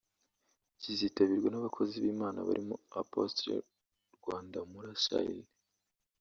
Kizitabirwa n’abakozi b’Imana barimo Apostle Rwandamura Charles